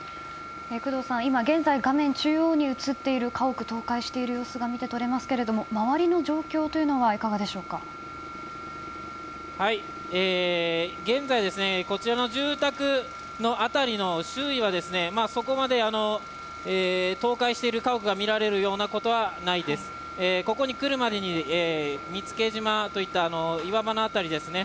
工藤さん、今、画面中央に映っている家屋が倒壊している様子が見て取れますけれども周りの状況というのは現在、こちらの住宅の周囲はそこまで倒壊している家屋が見られるようなことはないです。ここに来るまでに見附島といった岩場の辺りですね。